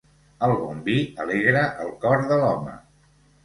El bon vi alegra el cor de l'home.